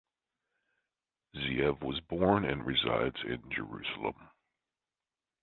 Ze'ev was born and resides in Jerusalem.